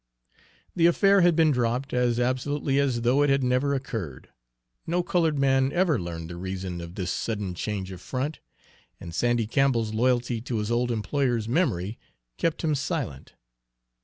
The affair had been dropped as absolutely as though it had never occurred. No colored man ever learned the reason of this sudden change of front, and Sandy Campbell's loyalty to his old employer's memory kept him silent.